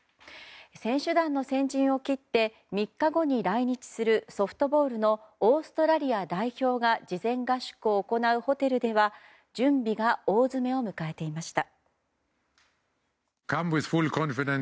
選手団の先陣を切って３日後に来日するソフトボールのオーストラリア代表が事前合宿を行うホテルでは準備が大詰めを迎えていました。